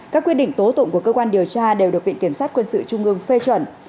các quyết định tố tụng của cơ quan điều tra đều được viện kiểm sát quân sự trung ương phê chuẩn